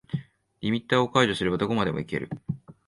リミッターを解除すればどこまでもいける